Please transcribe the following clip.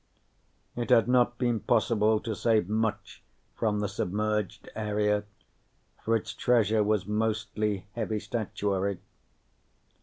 It had not been possible to save much from the submerged area, for its treasure was mostly heavy statuary.